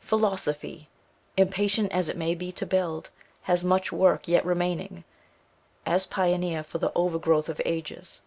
Philosophy, impatient as it may be to build, has much work yet remaining, as pioneer for the overgrowth of ages.